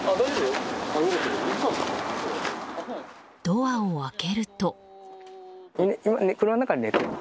ドアを開けると。